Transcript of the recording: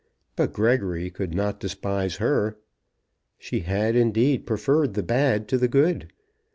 But Gregory could not despise her. She had, indeed, preferred the bad to the good.